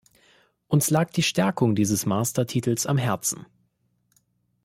Uns lag die Stärkung dieses Master-Titels am Herzen.